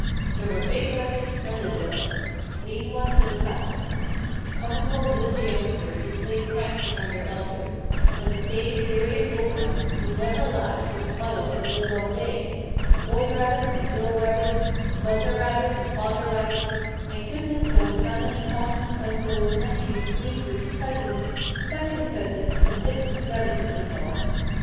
There were big rabbits and little rabbits; lean ones and fat ones; comical little youngsters who played pranks upon their elders, and staid, serious old ones who never laughed or smiled the livelong day; boy rabbits and girl rabbits, mother rabbits and father rabbits, and goodness knows how many aunts, uncles, nephews, nieces, cousins, second cousins and distant relatives in law!